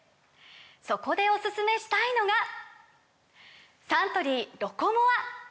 そこでおすすめしたいのがサントリー「ロコモア」！